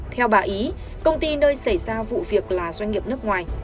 theo bà ý công ty nơi xảy ra vụ việc là doanh nghiệp nước ngoài